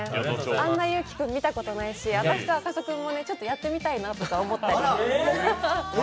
あんな裕貴君、見たことないし私と赤楚君もちょっとやってみたいなと思いました。